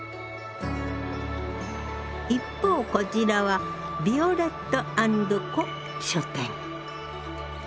一方こちらはヴィオレット・アンド・コ書店。